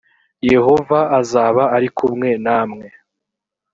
yehova azaba ari kumwe namwe